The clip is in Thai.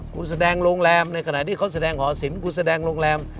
คุณแสดงโรงแรมในขณะที่เขาแสดงหอศิลปกูแสดงโรงแรม